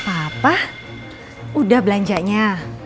apa udah belanjanya